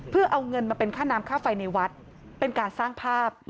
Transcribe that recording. เพื่อเอาเงินมาเป็นค่าน้ำค่าไฟในวัดเป็นการสร้างภาพ